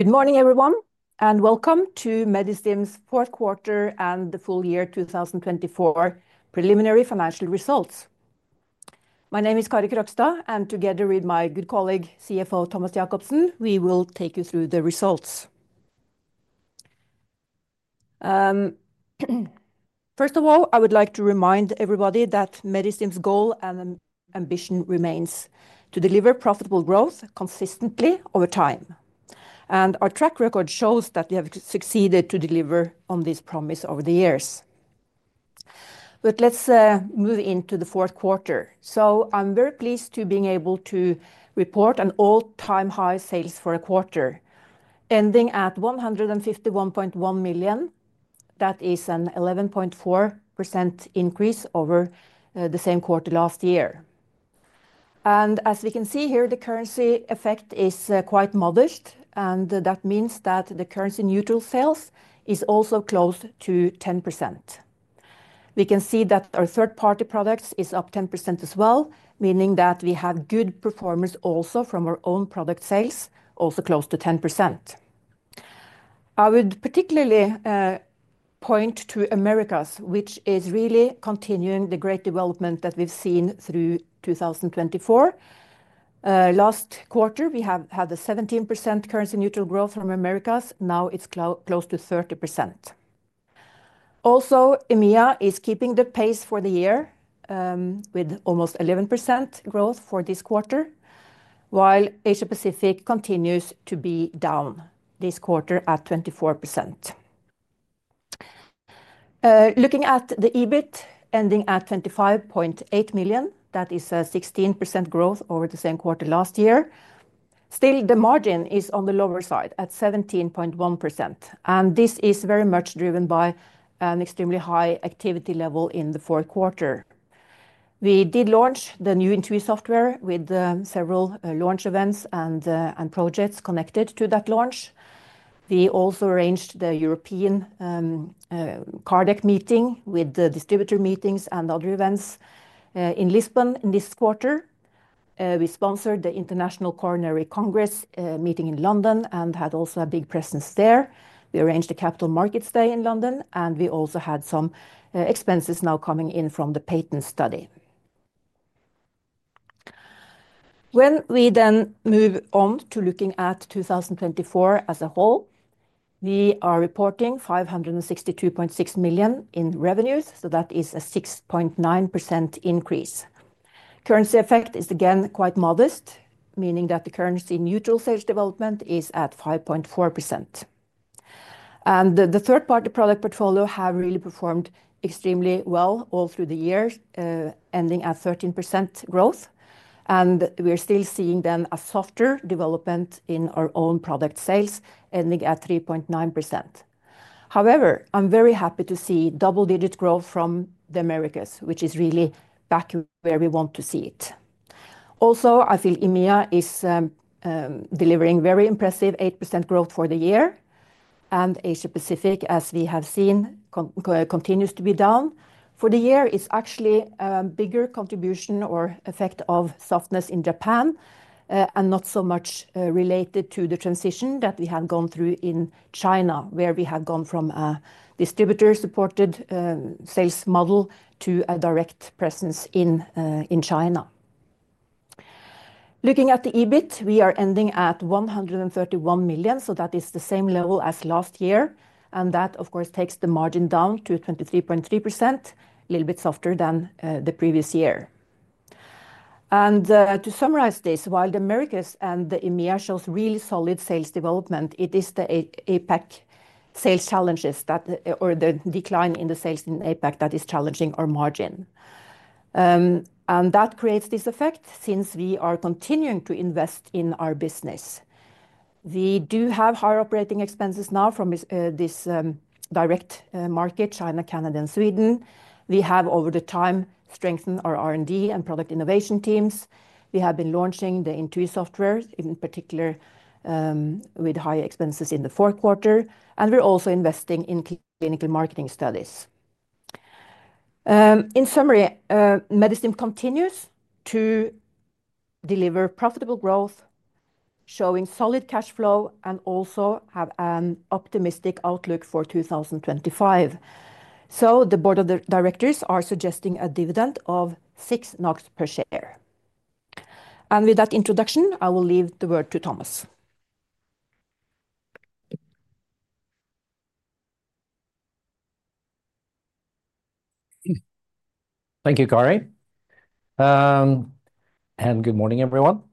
Good morning, everyone, and welcome to Medistim's Fourth Quarter and the Full Year 2024 Preliminary Financial Results. My name is Kari Krogstad, and together with my good colleague, CFO Thomas Jakobsen, we will take you through the results. First of all, I would like to remind everybody that Medistim's goal and ambition remains to deliver profitable growth consistently over time. Our track record shows that we have succeeded to deliver on this promise over the years. Let's move into the fourth quarter. I am very pleased to be able to report an all-time high sales fourth quarter, ending at 151.1 million. That is an 11.4% increase over the same quarter last year. As we can see here, the currency effect is quite modest, and that means that the currency neutral sales is also close to 10%. We can see that our third-party products are up 10% as well, meaning that we have good performance also from our own product sales, also close to 10%. I would particularly point to Americas, which is really continuing the great development that we've seen through 2024. Last quarter, we had a 17% currency neutral growth from Americas. Now it's close to 30%. Also, EMEA is keeping the pace for the year with almost 11% growth for this quarter, while Asia-Pacific continues to be down this quarter at 24%. Looking at the EBIT, ending at 25.8 million, that is a 16% growth over the same quarter last year. Still, the margin is on the lower side at 17.1%, and this is very much driven by an extremely high activity level in the fourth quarter. We did launch the new INTUI software with several launch events and projects connected to that launch. We also arranged the European cardiac meeting with the distributor meetings and other events in Lisbon this quarter. We sponsored the International Coronary Congress meeting in London and had also a big presence there. We arranged a Capital Markets Day in London, and we also had some expenses now coming in from the patent study. When we then move on to looking at 2024 as a whole, we are reporting 562.6 million in revenues, so that is a 6.9% increase. Currency effect is again quite modest, meaning that the currency neutral sales development is at 5.4%. The third-party product portfolio has really performed extremely well all through the year, ending at 13% growth. We are still seeing then a softer development in our own product sales, ending at 3.9%. However, I'm very happy to see double-digit growth from the Americas, which is really back where we want to see it. Also, I feel EMEA is delivering very impressive 8% growth for the year. Asia-Pacific, as we have seen, continues to be down for the year. It's actually a bigger contribution or effect of softness in Japan and not so much related to the transition that we have gone through in China, where we have gone from a distributor-supported sales model to a direct presence in China. Looking at the EBIT, we are ending at 131 million, so that is the same level as last year. That, of course, takes the margin down to 23.3%, a little bit softer than the previous year. To summarize this, while the Americas and the EMEA show really solid sales development, it is the APAC sales challenges, or the decline in the sales in APAC, that is challenging our margin. That creates this effect since we are continuing to invest in our business. We do have higher operating expenses now from this direct market, China, Canada, and Sweden. We have, over time, strengthened our R&D and product innovation teams. We have been launching the INTUI software, in particular with high expenses in the fourth quarter, and we are also investing in clinical marketing studies. In summary, Medistim continues to deliver profitable growth, showing solid cash flow, and also has an optimistic outlook for 2025. The board of directors are suggesting a dividend of 6 NOK per share. With that introduction, I will leave the word to Thomas. Thank you, Kari. Good morning, everyone.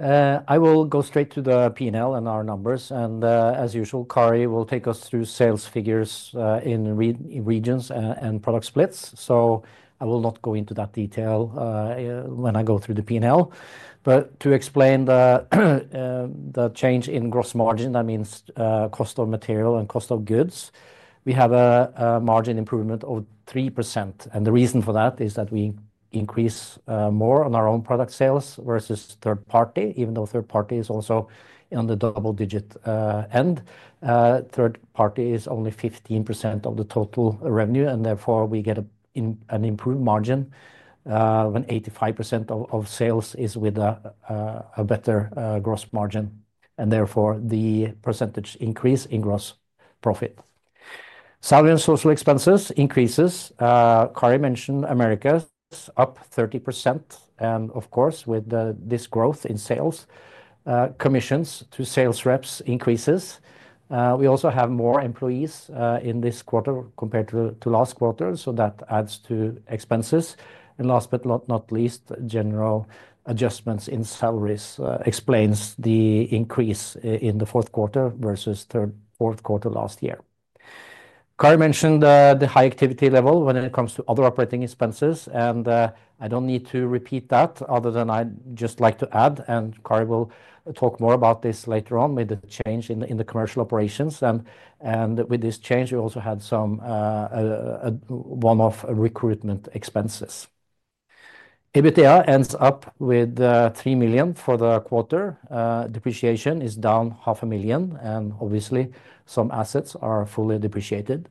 I will go straight to the P&L and our numbers. As usual, Kari will take us through sales figures in regions and product splits. I will not go into that detail when I go through the P&L. To explain the change in gross margin, that means cost of material and cost of goods, we have a margin improvement of 3%. The reason for that is that we increase more on our own product sales versus third party, even though third party is also on the double-digit end. Third party is only 15% of the total revenue, and therefore we get an improved margin when 85% of sales is with a better gross margin, and therefore the percentage increase in gross profit. Salary and social expenses increases. Kari mentioned Americas up 30%. Of course, with this growth in sales, commissions to sales reps increases. We also have more employees in this quarter compared to last quarter, so that adds to expenses. Last but not least, general adjustments in salaries explains the increase in the fourth quarter versus third, fourth quarter last year. Kari mentioned the high activity level when it comes to other operating expenses. I do not need to repeat that other than I would just like to add, and Kari will talk more about this later on with the change in the commercial operations. With this change, we also had one-off recruitment expenses. EBITDA ends up with 3 million for the quarter. Depreciation is down 500,000, and obviously some assets are fully depreciated.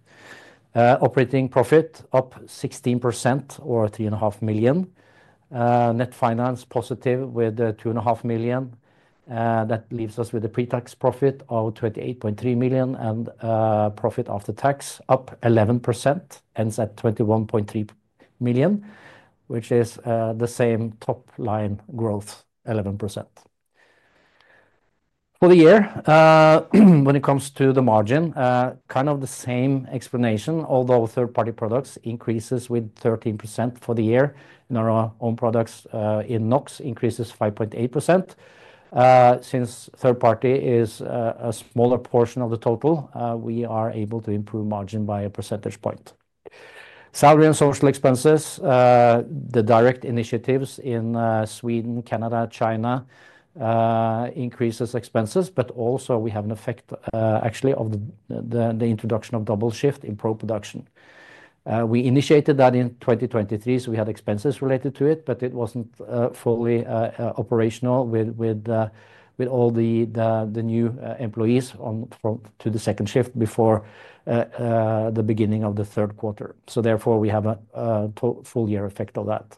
Operating profit up 16% or 3.5 million. Net finance positive with 2.5 million. That leaves us with a pre-tax profit of 28.3 million and profit after tax up 11%, ends at 21.3 million, which is the same top line growth, 11%. For the year, when it comes to the margin, kind of the same explanation, although third-party products increases with 13% for the year. Our own products in NOK increases 5.8%. Since third party is a smaller portion of the total, we are able to improve margin by a percentage point. Salary and social expenses, the direct initiatives in Sweden, Canada, China increases expenses, but also we have an effect actually of the introduction of double shift in pro production. We initiated that in 2023, so we had expenses related to it, but it was not fully operational with all the new employees to the second shift before the beginning of the third quarter. Therefore we have a full year effect of that.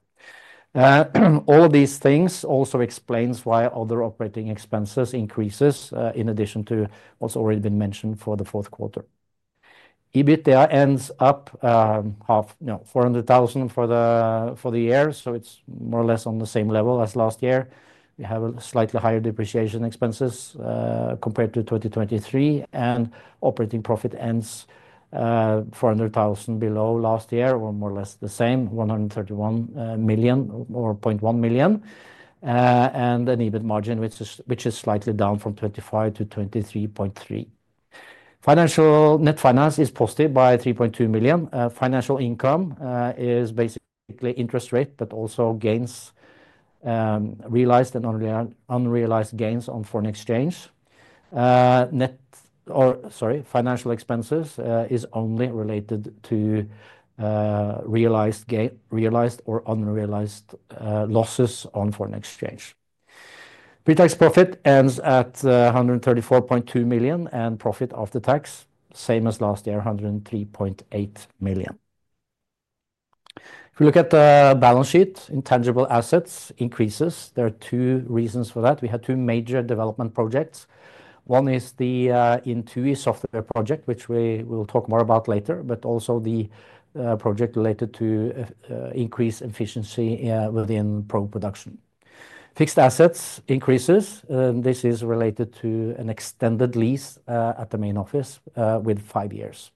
All of these things also explains why other operating expenses increases in addition to what's already been mentioned for the fourth quarter. EBITDA ends up, you know, 400,000 for the year, so it's more or less on the same level as last year. We have a slightly higher depreciation expenses compared to 2023, and operating profit ends 400,000 below last year or more or less the same, 131 million or 0.1 million. An EBIT margin, which is slightly down from 25% to 23.3%. Net finance is posted by 3.2 million. Financial income is basically interest rate, but also gains, realized and unrealized gains on foreign exchange. Net, or sorry, financial expenses is only related to realized or unrealized losses on foreign exchange. Pretax profit ends at 134.2 million and profit after tax, same as last year, 103.8 million. If we look at the balance sheet, intangible assets increases. There are two reasons for that. We had two major development projects. One is the INTUI software project, which we will talk more about later, but also the project related to increase efficiency within production. Fixed assets increases. This is related to an extended lease at the main office with five years.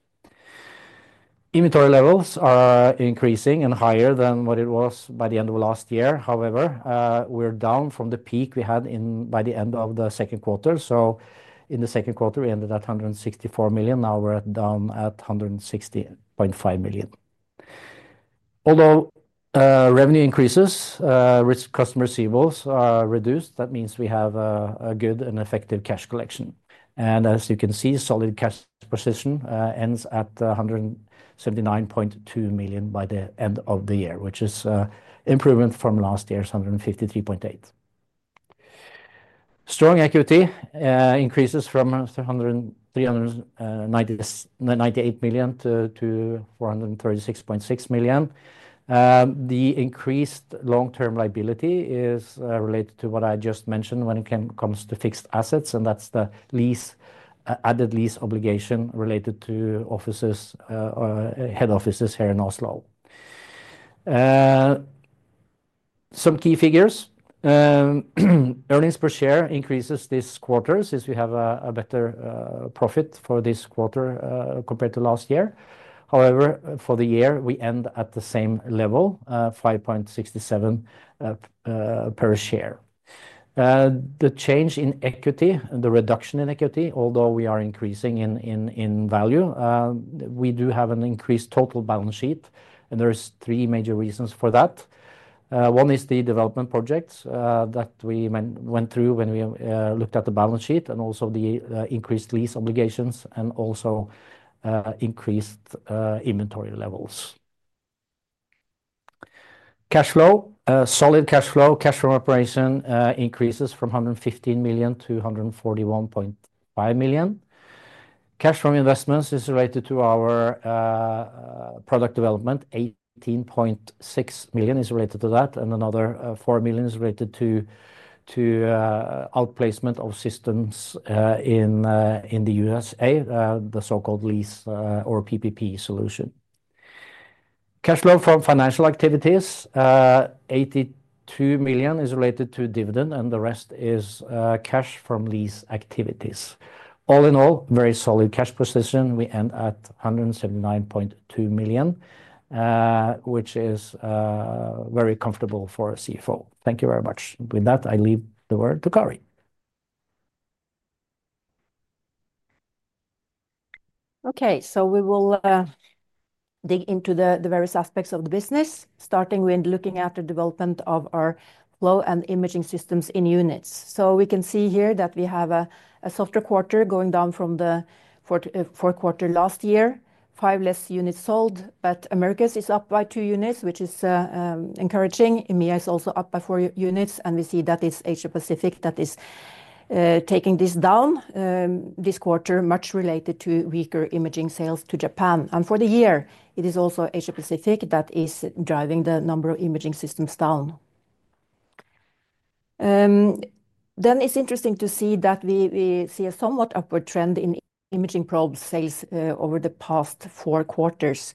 Inventory levels are increasing and higher than what it was by the end of last year. However, we're down from the peak we had by the end of the second quarter. In the second quarter, we ended at 164 million. Now we're down at 160.5 million. Although revenue increases, customer receivables are reduced. That means we have a good and effective cash collection. As you can see, solid cash position ends at 179.2 million by the end of the year, which is an improvement from last year's 153.8 million. Strong equity increases from 398 million to 436.6 million. The increased long-term liability is related to what I just mentioned when it comes to fixed assets, and that's the added lease obligation related to head offices here in Oslo. Some key figures. Earnings per share increases this quarter since we have a better profit for this quarter compared to last year. However, for the year, we end at the same level, 5.67 per share. The change in equity and the reduction in equity, although we are increasing in value, we do have an increased total balance sheet, and there are three major reasons for that. One is the development projects that we went through when we looked at the balance sheet and also the increased lease obligations and also increased inventory levels. Cash flow, solid cash flow, cash from operation increases from 115 million to 141.5 million. Cash from investments is related to our product development. 18.6 million is related to that, and another 4 million is related to outplacement of systems in the USA, the so-called lease or PPP solution. Cash flow from financial activities, 82 million is related to dividend, and the rest is cash from lease activities. All in all, very solid cash position. We end at 179.2 million, which is very comfortable for a CFO. Thank you very much. With that, I leave the word to Kari. Okay, we will dig into the various aspects of the business, starting with looking at the development of our flow and imaging systems in units. We can see here that we have a softer quarter going down from the fourth quarter last year, five less units sold, but Americas is up by two units, which is encouraging. EMEA is also up by four units, and we see that it is Asia-Pacific that is taking this down this quarter, much related to weaker imaging sales to Japan. For the year, it is also Asia-Pacific that is driving the number of imaging systems down. It is interesting to see that we see a somewhat upward trend in imaging probes sales over the past four quarters.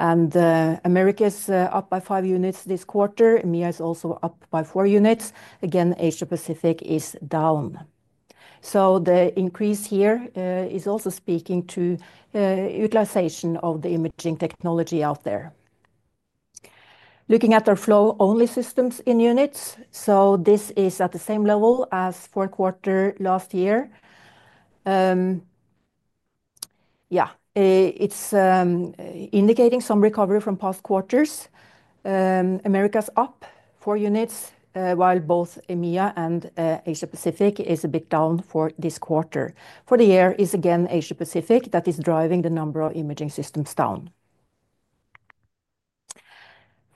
America is up by five units this quarter. EMEA is also up by four units. Again, Asia-Pacific is down. The increase here is also speaking to utilization of the imaging technology out there. Looking at our flow-only systems in units, this is at the same level as fourth quarter last year. Yeah, it's indicating some recovery from past quarters. America is up four units, while both EMEA and Asia-Pacific is a bit down for this quarter. For the year, it's again Asia-Pacific that is driving the number of imaging systems down.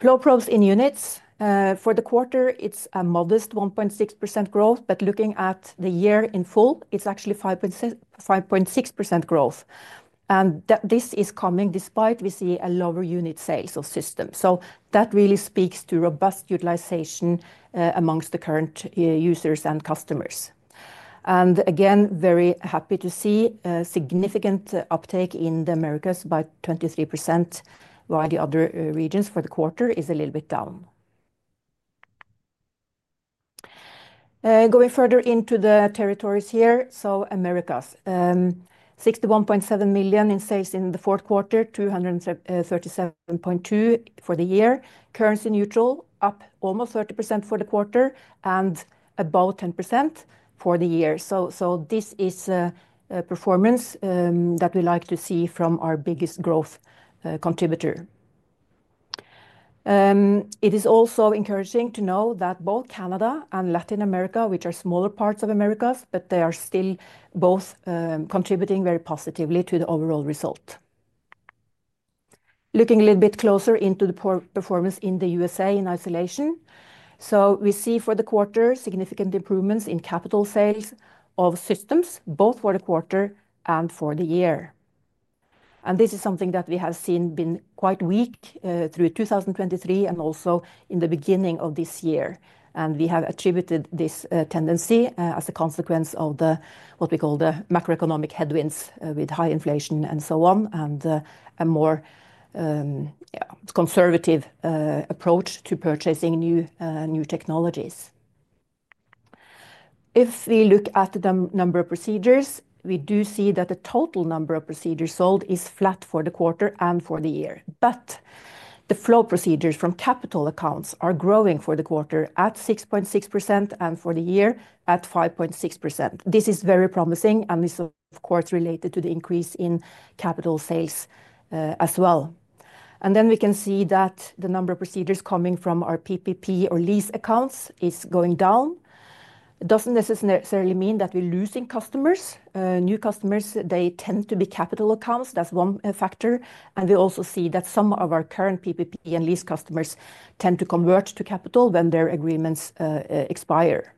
Flow probes in units, for the quarter, it's a modest 1.6% growth, but looking at the year in full, it's actually 5.6% growth. This is coming despite we see a lower unit sales of systems. That really speaks to robust utilization amongst the current users and customers. Again, very happy to see significant uptake in the Americas by 23%, while the other regions for the quarter is a little bit down. Going further into the territories here, Americas, 61.7 million in sales in the fourth quarter, 237.2 million for the year. Currency neutral, up almost 30% for the quarter and about 10% for the year. This is a performance that we like to see from our biggest growth contributor. It is also encouraging to know that both Canada and Latin America, which are smaller parts of Americas, but they are still both contributing very positively to the overall result. Looking a little bit closer into the performance in the USA in isolation. We see for the quarter significant improvements in capital sales of systems, both for the quarter and for the year. This is something that we have seen been quite weak through 2023 and also in the beginning of this year. We have attributed this tendency as a consequence of what we call the macroeconomic headwinds with high inflation and so on and a more conservative approach to purchasing new technologies. If we look at the number of procedures, we do see that the total number of procedures sold is flat for the quarter and for the year. The flow procedures from capital accounts are growing for the quarter at 6.6% and for the year at 5.6%. This is very promising and is, of course, related to the increase in capital sales as well. We can see that the number of procedures coming from our PPP or lease accounts is going down. It does not necessarily mean that we are losing customers. New customers, they tend to be capital accounts. That is one factor. We also see that some of our current PPP and lease customers tend to convert to capital when their agreements expire.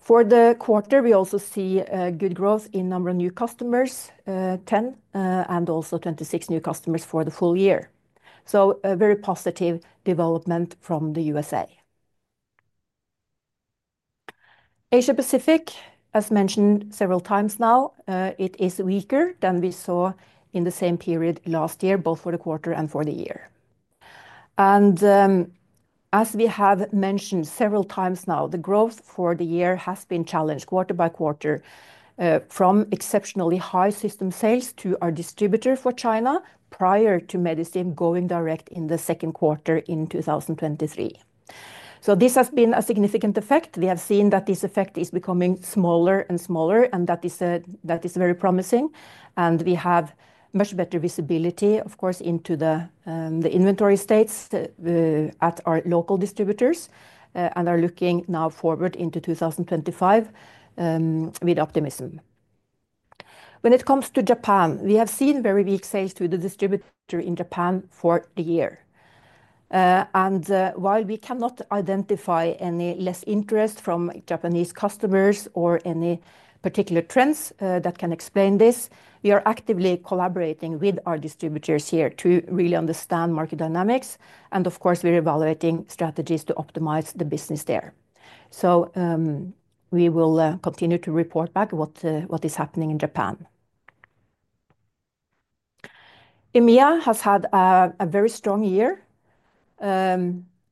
For the quarter, we also see good growth in number of new customers, 10, and also 26 new customers for the full year. A very positive development from the USA. Asia-Pacific, as mentioned several times now, is weaker than we saw in the same period last year, both for the quarter and for the year. As we have mentioned several times now, the growth for the year has been challenged quarter by quarter from exceptionally high system sales to our distributor for China prior to Medistim going direct in the second quarter in 2023. This has been a significant effect. We have seen that this effect is becoming smaller and smaller and that is very promising. We have much better visibility, of course, into the inventory states at our local distributors and are looking now forward into 2025 with optimism. When it comes to Japan, we have seen very weak sales to the distributor in Japan for the year. While we cannot identify any less interest from Japanese customers or any particular trends that can explain this, we are actively collaborating with our distributors here to really understand market dynamics. Of course, we are evaluating strategies to optimize the business there. We will continue to report back what is happening in Japan. EMEA has had a very strong year.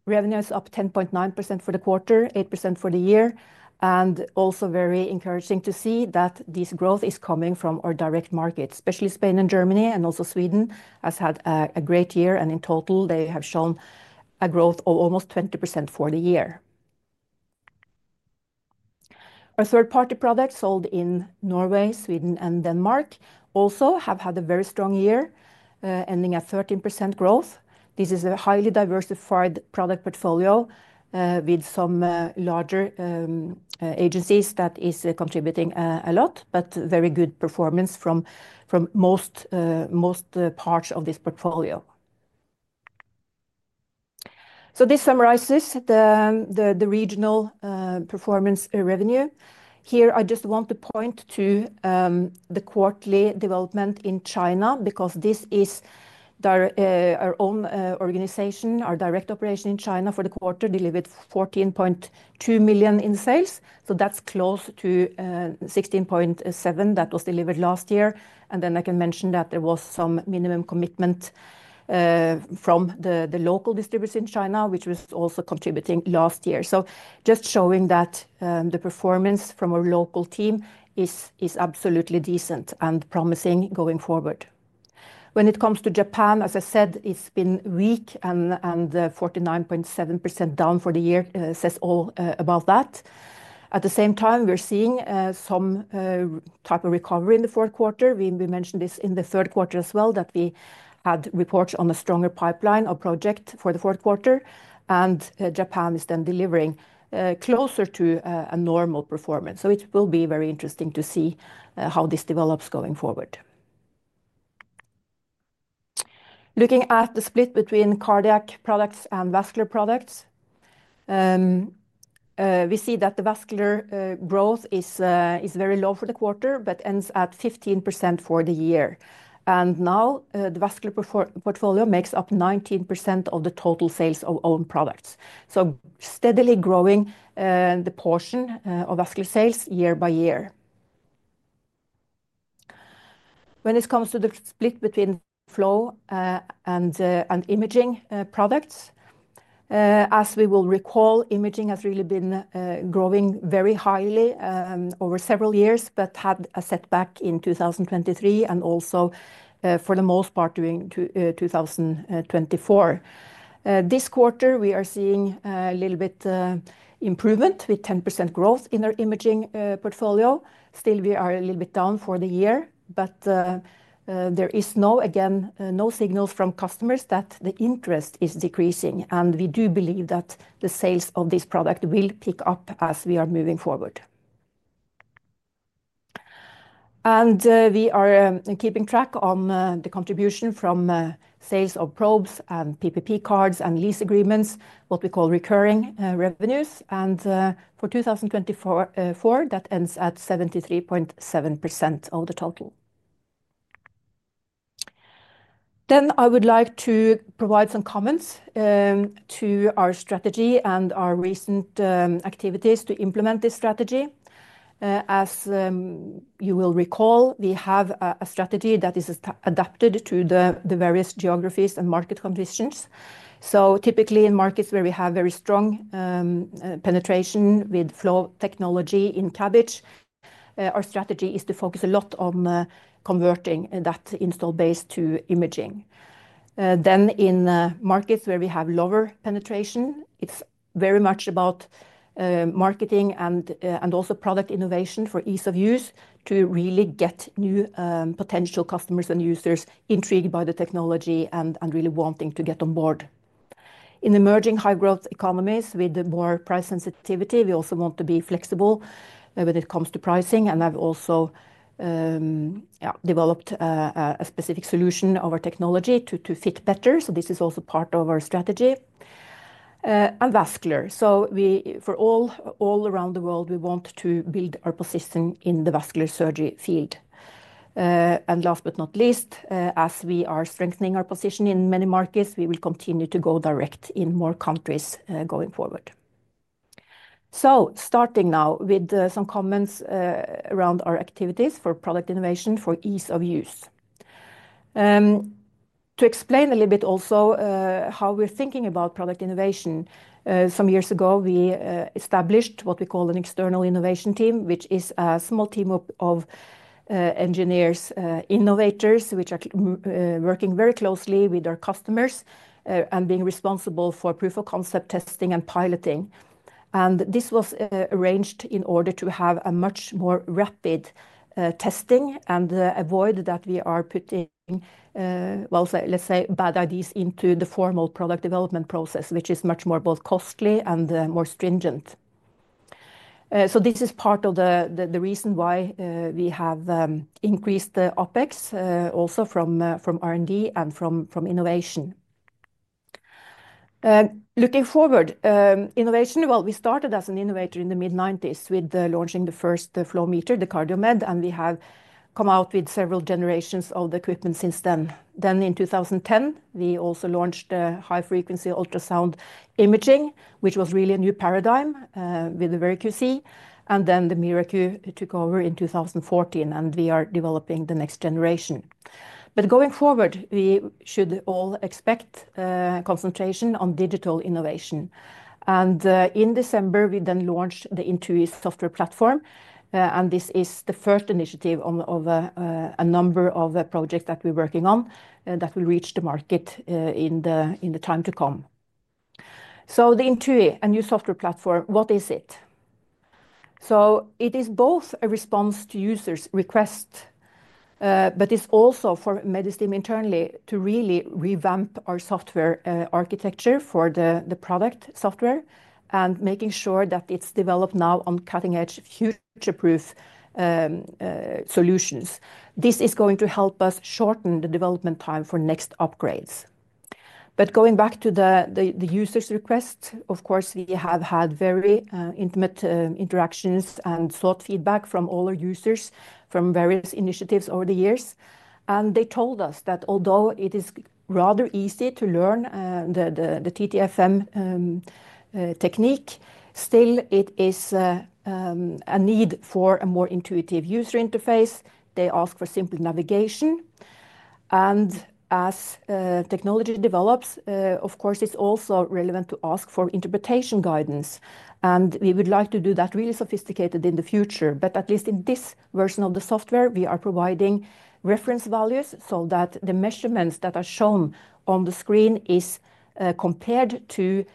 Revenues up 10.9% for the quarter, 8% for the year. It is also very encouraging to see that this growth is coming from our direct markets, especially Spain and Germany, and also Sweden has had a great year. In total, they have shown a growth of almost 20% for the year. Our third-party products sold in Norway, Sweden, and Denmark also have had a very strong year, ending at 13% growth. This is a highly diversified product portfolio with some larger agencies that is contributing a lot, but very good performance from most parts of this portfolio. This summarizes the regional performance revenue. Here, I just want to point to the quarterly development in China because this is our own organization, our direct operation in China for the quarter delivered 14.2 million in sales. That is close to 16.7 million that was delivered last year. I can mention that there was some minimum commitment from the local distributors in China, which was also contributing last year. This just shows that the performance from our local team is absolutely decent and promising going forward. When it comes to Japan, as I said, it's been weak and 49.7% down for the year says all about that. At the same time, we're seeing some type of recovery in the fourth quarter. We mentioned this in the third quarter as well, that we had reports on a stronger pipeline or project for the fourth quarter. Japan is then delivering closer to a normal performance. It will be very interesting to see how this develops going forward. Looking at the split between cardiac products and vascular products, we see that the vascular growth is very low for the quarter, but ends at 15% for the year. Now the vascular portfolio makes up 19% of the total sales of own products. Steadily growing the portion of vascular sales year by year. When it comes to the split between flow and imaging products, as we will recall, imaging has really been growing very highly over several years, but had a setback in 2023 and also for the most part during 2024. This quarter, we are seeing a little bit of improvement with 10% growth in our imaging portfolio. Still, we are a little bit down for the year, but there is no, again, no signals from customers that the interest is decreasing. We do believe that the sales of this product will pick up as we are moving forward. We are keeping track of the contribution from sales of probes and PPP cards and lease agreements, what we call recurring revenues. For 2024, that ends at 73.7% of the total. I would like to provide some comments to our strategy and our recent activities to implement this strategy. As you will recall, we have a strategy that is adapted to the various geographies and market conditions. Typically, in markets where we have very strong penetration with flow technology in CABG, our strategy is to focus a lot on converting that install base to imaging. In markets where we have lower penetration, it is very much about marketing and also product innovation for ease of use to really get new potential customers and users intrigued by the technology and really wanting to get on board. In emerging high-growth economies with more price sensitivity, we also want to be flexible when it comes to pricing. I have also developed a specific solution of our technology to fit better. This is also part of our strategy. In vascular, for all around the world, we want to build our position in the vascular surgery field. Last but not least, as we are strengthening our position in many markets, we will continue to go direct in more countries going forward. Starting now with some comments around our activities for product innovation for ease of use. To explain a little bit also how we're thinking about product innovation, some years ago, we established what we call an external innovation team, which is a small team of engineers, innovators, which are working very closely with our customers and being responsible for proof of concept testing and piloting. This was arranged in order to have a much more rapid testing and avoid that we are putting, let's say, bad ideas into the formal product development process, which is much more both costly and more stringent. This is part of the reason why we have increased the OpEx also from R&D and from innovation. Looking forward, innovation, well, we started as an innovator in the mid-1990s with launching the first flow meter, the CardioMed, and we have come out with several generations of the equipment since then. In 2010, we also launched high-frequency ultrasound imaging, which was really a new paradigm with the VeriQ C. The MiraQ took over in 2014, and we are developing the next generation. Going forward, we should all expect concentration on digital innovation. In December, we then launched the INTUI software platform. This is the first initiative of a number of projects that we're working on that will reach the market in the time to come. The INTUI, a new software platform, what is it? It is both a response to users' requests, but it's also for Medistim internally to really revamp our software architecture for the product software and making sure that it's developed now on cutting-edge future-proof solutions. This is going to help us shorten the development time for next upgrades. Going back to the users' request, of course, we have had very intimate interactions and thought feedback from all our users from various initiatives over the years. They told us that although it is rather easy to learn the TTFM technique, still it is a need for a more intuitive user interface. They ask for simple navigation. As technology develops, of course, it's also relevant to ask for interpretation guidance. We would like to do that really sophisticated in the future. At least in this version of the software, we are providing reference values so that the measurements that are shown on the screen are compared to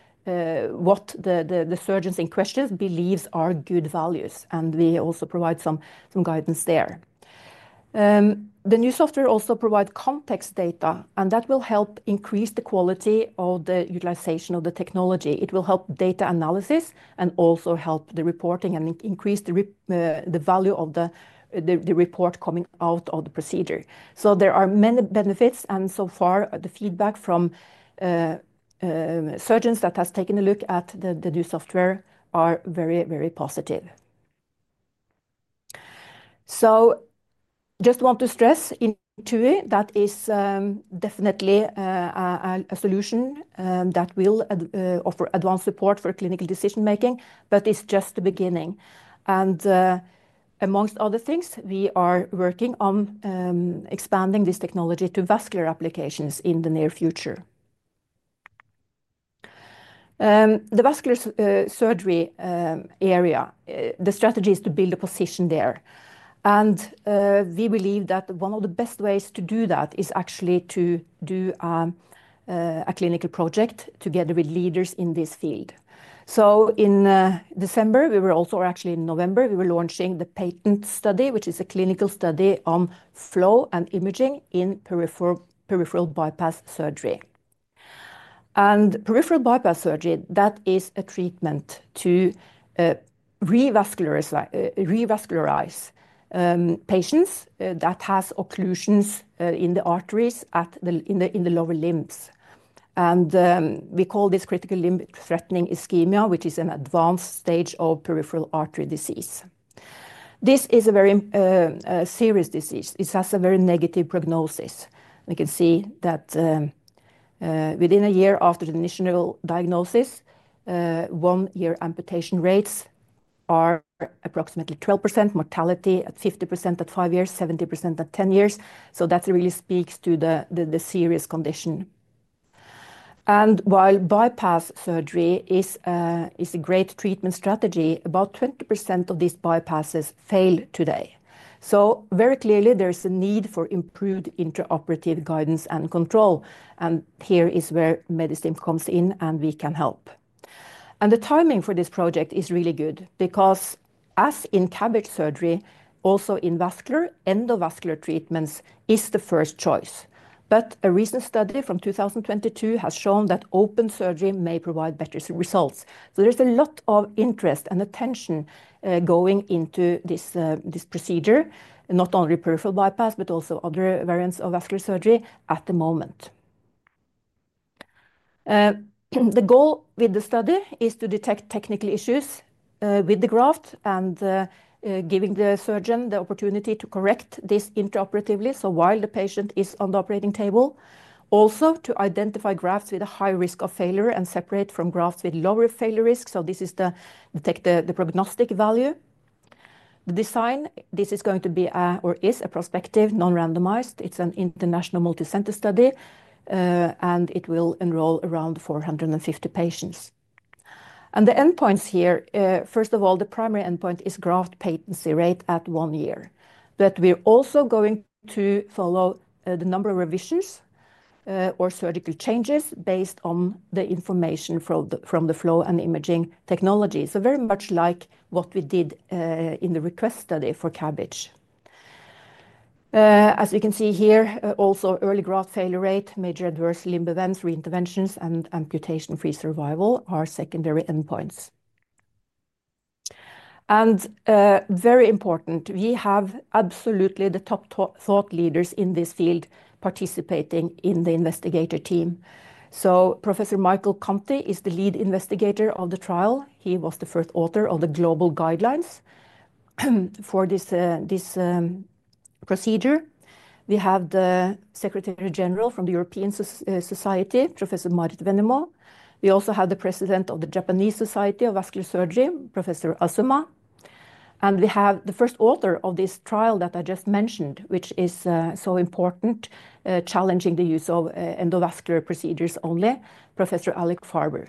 what the surgeons in question believe are good values. We also provide some guidance there. The new software also provides context data, and that will help increase the quality of the utilization of the technology. It will help data analysis and also help the reporting and increase the value of the report coming out of the procedure. There are many benefits. So far, the feedback from surgeons that have taken a look at the new software is very, very positive. I just want to stress in INTUI that it is definitely a solution that will offer advanced support for clinical decision-making, but it is just the beginning. Amongst other things, we are working on expanding this technology to vascular applications in the near future. The vascular surgery area, the strategy is to build a position there. We believe that one of the best ways to do that is actually to do a clinical project together with leaders in this field. In December, or actually in November, we were launching the patent study, which is a clinical study on flow and imaging in peripheral bypass surgery. Peripheral bypass surgery, that is a treatment to revascularize patients that have occlusions in the arteries in the lower limbs. We call this critical limb threatening ischemia, which is an advanced stage of peripheral artery disease. This is a very serious disease. It has a very negative prognosis. We can see that within a year after the initial diagnosis, one-year amputation rates are approximately 12%, mortality at 50% at five years, 70% at ten years. That really speaks to the serious condition. While bypass surgery is a great treatment strategy, about 20% of these bypasses fail today. Very clearly, there is a need for improved intraoperative guidance and control. Here is where Medistim comes in and we can help. The timing for this project is really good because as in CABG surgery, also in vascular, endovascular treatments is the first choice. A recent study from 2022 has shown that open surgery may provide better results. There is a lot of interest and attention going into this procedure, not only peripheral bypass, but also other variants of vascular surgery at the moment. The goal with the study is to detect technical issues with the graft and giving the surgeon the opportunity to correct this intraoperatively. While the patient is on the operating table, also to identify grafts with a high risk of failure and separate from grafts with lower failure risk. This is to detect the prognostic value. The design, this is going to be or is a prospective non-randomized. It's an international multicenter study, and it will enroll around 450 patients. The endpoints here, first of all, the primary endpoint is graft patency rate at one year. We're also going to follow the number of revisions or surgical changes based on the information from the flow and imaging technology. Very much like what we did in the request study for CABG. As you can see here, also early graft failure rate, major adverse limb events, reinterventions, and amputation-free survival are secondary endpoints. Very important, we have absolutely the top thought leaders in this field participating in the investigator team. Professor Michael Conte is the lead investigator of the trial. He was the first author of the global guidelines for this procedure. We have the Secretary General from the European Society, Professor Maarit Venermo. We also have the President of the Japanese Society of Vascular Surgery, Professor Azuma. We have the first author of this trial that I just mentioned, which is so important, challenging the use of endovascular procedures only, Professor Alik Farber.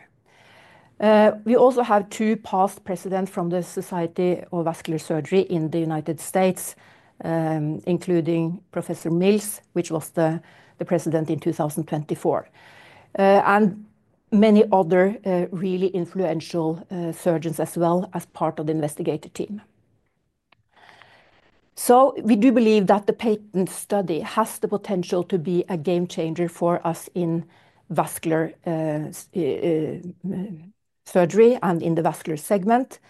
We also have two past presidents from the Society for Vascular Surgery in the United States, including Professor Mills, who was the president in 2024, and many other really influential surgeons as well as part of the investigator team. We do believe that the patent study has the potential to be a game changer for us in vascular surgery and in the vascular segment,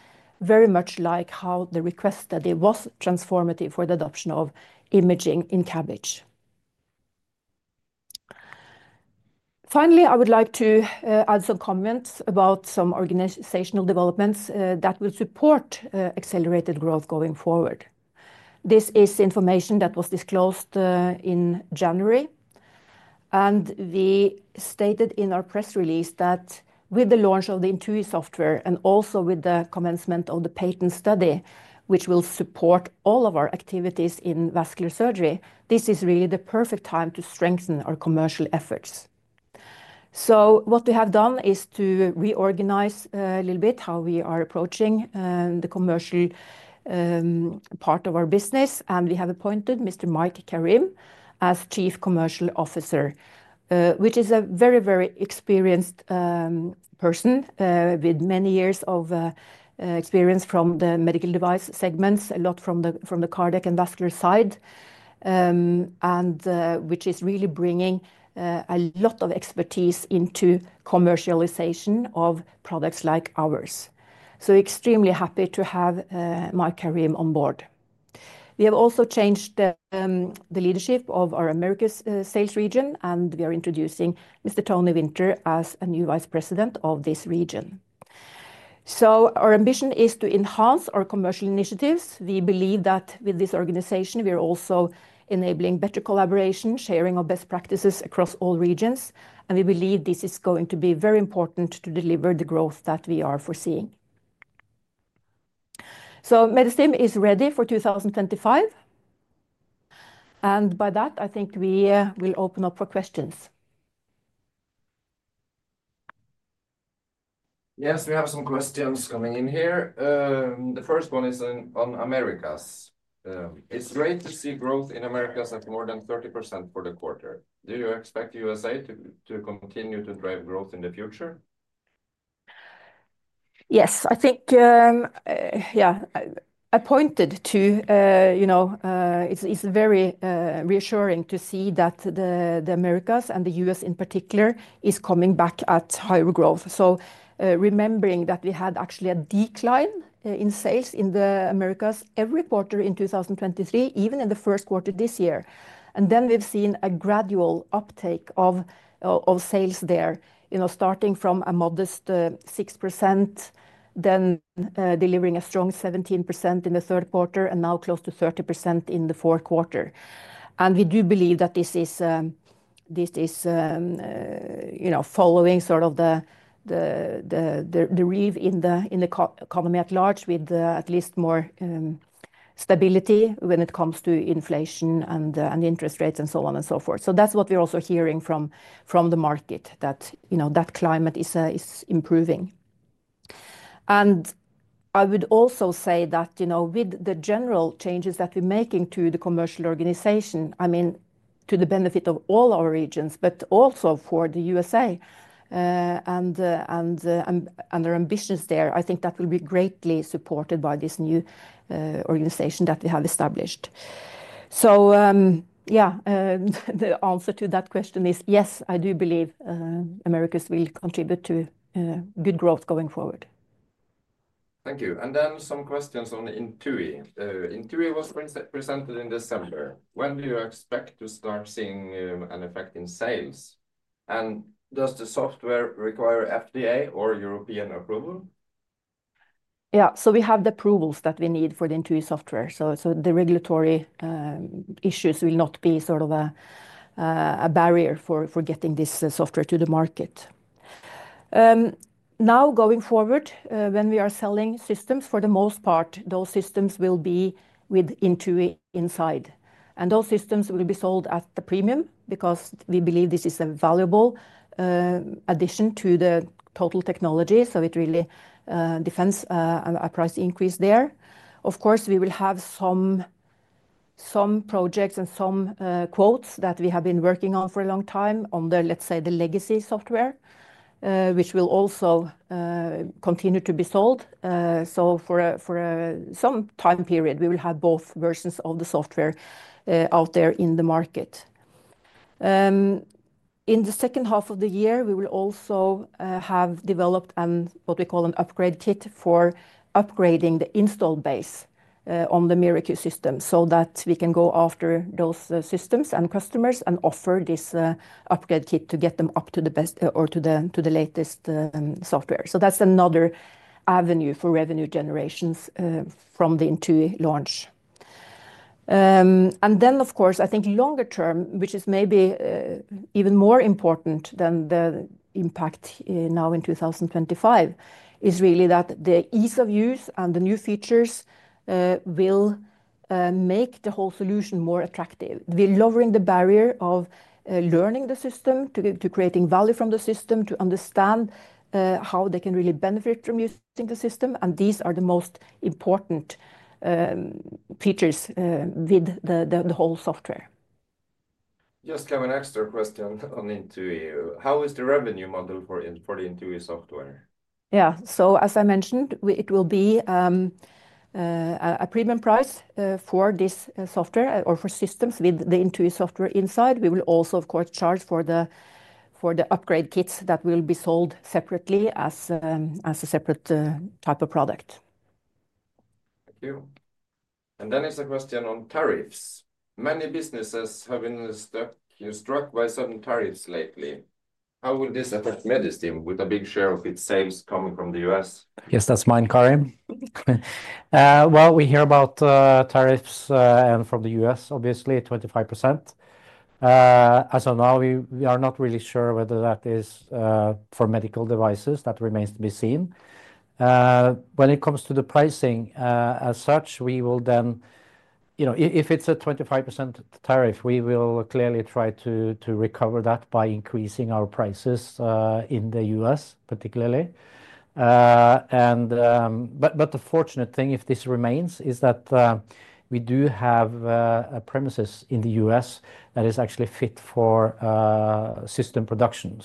very much like how the REQUEST study was transformative for the adoption of imaging in CABG. Finally, I would like to add some comments about some organizational developments that will support accelerated growth going forward. This is information that was disclosed in January. We stated in our press release that with the launch of the INTUI software and also with the commencement of the patent study, which will support all of our activities in vascular surgery, this is really the perfect time to strengthen our commercial efforts. What we have done is to reorganize a little bit how we are approaching the commercial part of our business. We have appointed Mr. Mike Karim as Chief Commercial Officer, which is a very, very experienced person with many years of experience from the medical device segments, a lot from the cardiac and vascular side, and which is really bringing a lot of expertise into commercialization of products like ours. Extremely happy to have Mike Karim on board. We have also changed the leadership of our America's sales region, and we are introducing Mr. Tony Winter as a new Vice President of this region. Our ambition is to enhance our commercial initiatives. We believe that with this organization, we are also enabling better collaboration, sharing of best practices across all regions. We believe this is going to be very important to deliver the growth that we are foreseeing. Medistim is ready for 2025. By that, I think we will open up for questions. Yes, we have some questions coming in here. The first one is on Americas. It's great to see growth in Americas at more than 30% for the quarter. Do you expect the USA to continue to drive growth in the future? Yes, I think, yeah, I pointed to, you know, it's very reassuring to see that the Americas and the U.S. in particular is coming back at higher growth. Remembering that we had actually a decline in sales in the Americas every quarter in 2023, even in the first quarter this year. We have seen a gradual uptake of sales there, you know, starting from a modest 6%, then delivering a strong 17% in the third quarter and now close to 30% in the fourth quarter. We do believe that this is, you know, following sort of the reeve in the economy at large with at least more stability when it comes to inflation and interest rates and so on and so forth. That is what we are also hearing from the market, that, you know, that climate is improving. I would also say that, you know, with the general changes that we're making to the commercial organization, I mean, to the benefit of all our regions, but also for the USA and their ambitions there, I think that will be greatly supported by this new organization that we have established. Yeah, the answer to that question is yes, I do believe Americas will contribute to good growth going forward. Thank you. Then some questions on INTUI. INTUI was presented in December. When do you expect to start seeing an effect in sales? And does the software require FDA or European approval? Yeah, we have the approvals that we need for the INTUI software. The regulatory issues will not be sort of a barrier for getting this software to the market. Now, going forward, when we are selling systems, for the most part, those systems will be with INTUI inside. Those systems will be sold at the premium because we believe this is a valuable addition to the total technology. It really defends a price increase there. Of course, we will have some projects and some quotes that we have been working on for a long time on the, let's say, the legacy software, which will also continue to be sold. For some time period, we will have both versions of the software out there in the market. In the second half of the year, we will also have developed what we call an upgrade kit for upgrading the install base on the MiraQ system so that we can go after those systems and customers and offer this upgrade kit to get them up to the best or to the latest software. That is another avenue for revenue generations from the INTUI launch. Of course, I think longer term, which is maybe even more important than the impact now in 2025, is really that the ease of use and the new features will make the whole solution more attractive. We are lowering the barrier of learning the system, to creating value from the system, to understand how they can really benefit from using the system. These are the most important features with the whole software. Just have an extra question on INTUI. How is the revenue model for the INTUI software? Yeah, so as I mentioned, it will be a premium price for this software or for systems with the INTUI software inside. We will also, of course, charge for the upgrade kits that will be sold separately as a separate type of product. Thank you. It is a question on tariffs. Many businesses have been struck by certain tariffs lately. How will this affect Medistim with a big share of its sales coming from the U.S.? Yes, that's mine, Kari. We hear about tariffs and from the U.S., obviously, 25%. As of now, we are not really sure whether that is for medical devices. That remains to be seen. When it comes to the pricing as such, we will then, you know, if it's a 25% tariff, we will clearly try to recover that by increasing our prices in the U.S., particularly. The fortunate thing, if this remains, is that we do have premises in the U.S. that is actually fit for system production.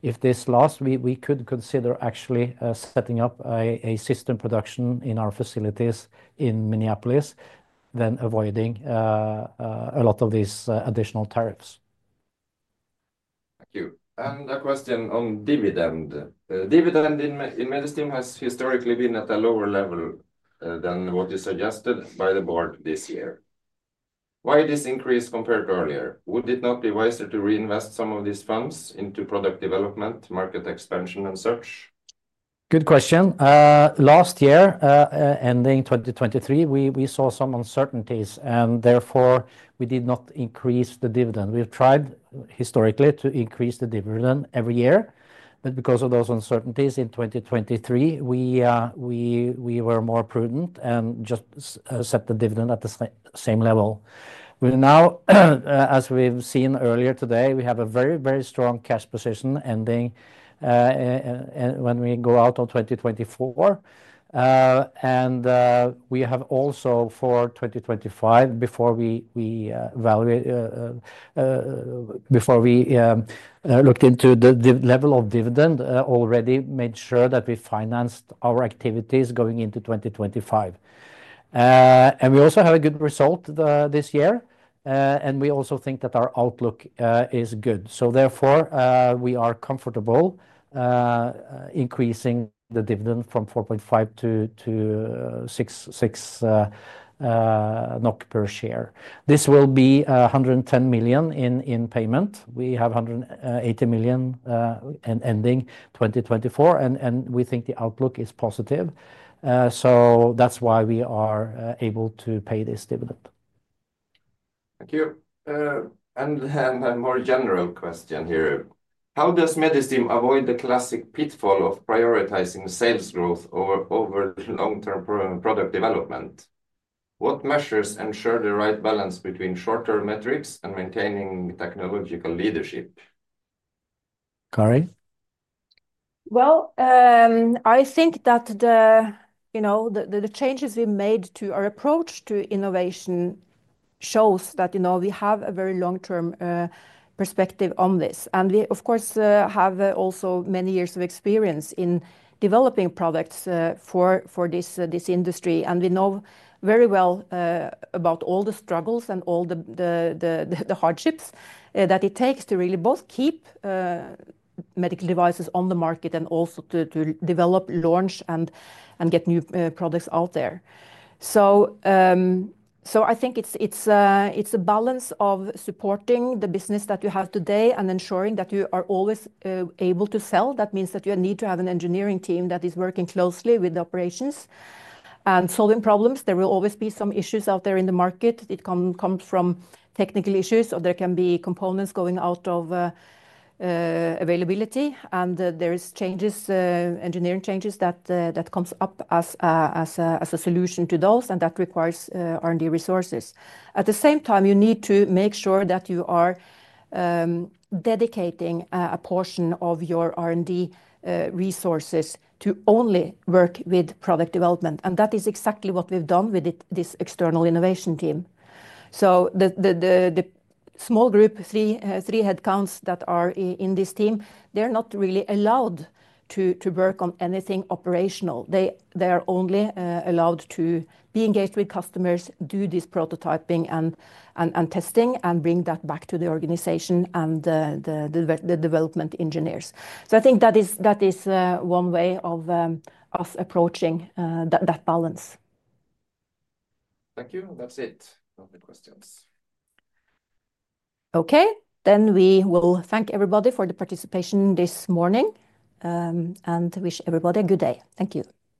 If this lasts, we could consider actually setting up a system production in our facilities in Minneapolis, then avoiding a lot of these additional tariffs. Thank you. A question on dividend. Dividend in Medistim has historically been at a lower level than what is suggested by the board this year. Why this increase compared earlier? Would it not be wiser to reinvest some of these funds into product development, market expansion, and such? Good question. Last year, ending 2023, we saw some uncertainties, and therefore we did not increase the dividend. We've tried historically to increase the dividend every year, but because of those uncertainties in 2023, we were more prudent and just set the dividend at the same level. Now, as we've seen earlier today, we have a very, very strong cash position ending when we go out of 2024. We have also for 2025, before we looked into the level of dividend, already made sure that we financed our activities going into 2025. We also have a good result this year. We also think that our outlook is good. Therefore, we are comfortable increasing the dividend from 4.5 to 6 NOK per share. This will be 110 million in payment. We have 180 million ending 2024, and we think the outlook is positive. That's why we are able to pay this dividend. Thank you. A more general question here. How does Medistim avoid the classic pitfall of prioritizing sales growth over long-term product development? What measures ensure the right balance between shorter metrics and maintaining technological leadership? Kari? I think that the changes we made to our approach to innovation shows that, you know, we have a very long-term perspective on this. And we, of course, have also many years of experience in developing products for this industry. We know very well about all the struggles and all the hardships that it takes to really both keep medical devices on the market and also to develop, launch, and get new products out there. I think it's a balance of supporting the business that you have today and ensuring that you are always able to sell. That means that you need to have an engineering team that is working closely with the operations and solving problems. There will always be some issues out there in the market. It comes from technical issues, or there can be components going out of availability. There are engineering changes that come up as a solution to those, and that requires R&D resources. At the same time, you need to make sure that you are dedicating a portion of your R&D resources to only work with product development. That is exactly what we've done with this external innovation team. The small group, three headcounts that are in this team, they're not really allowed to work on anything operational. They are only allowed to be engaged with customers, do this prototyping and testing, and bring that back to the organization and the development engineers. I think that is one way of us approaching that balance. Thank you. That's it. No more questions. Okay, then we will thank everybody for the participation this morning and wish everybody a good day. Thank you.